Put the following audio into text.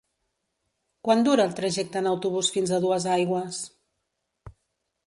Quant dura el trajecte en autobús fins a Duesaigües?